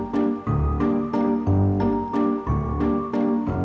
สวัสดีค่ะค่ะ